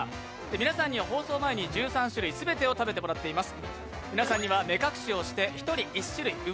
皆さんには放送前に１３種類全てを食べてもらっています。